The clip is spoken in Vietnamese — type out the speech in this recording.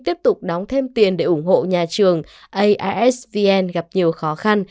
tiếp tục đóng thêm tiền để ủng hộ nhà trường aisvn gặp nhiều khó khăn